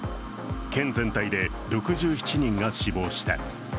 県全体で６７人が死亡した。